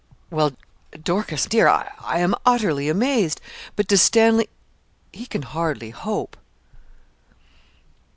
'Well, Dorcas, dear, I am utterly amazed. But does Stanley he can hardly hope?'